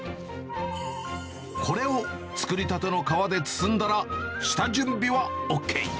これを作りたての皮で包んだら、下準備はＯＫ。